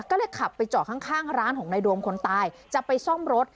ก็เลยขับไปจอดข้างร้านของนายโดมคนตายจะไปซ่อมรถ